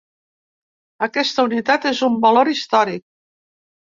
Aquesta unitat és un valor històric.